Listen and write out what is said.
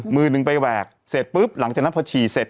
มือหนึ่งไปแหวกเสร็จปุ๊บหลังจากนั้นพอฉี่เสร็จ